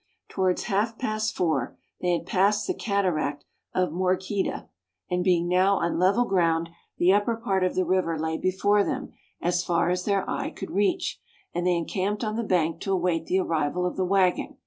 Towards half past four they had passed the cataract of Morgheda, and being now on level ground, the upper part of the river lay before them as far as their eye could reach, and they encamped on the bank to await the arrival of the waggon.